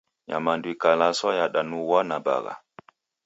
Nyamandu ikalaswa yadanughwa na bagha.